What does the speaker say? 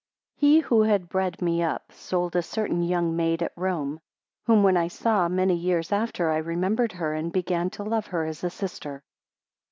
HE who had bred me up sold a certain young maid at Rome; whom when I saw many years after, I remembered her, and began to love her as a sister.